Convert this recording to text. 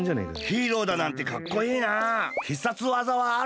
ヒーローだなんてかっこいいなあ。